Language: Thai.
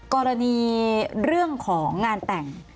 กรณีเรื่องของงานแต่ง